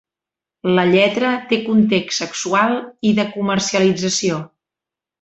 La lletra té context sexual i de comercialització.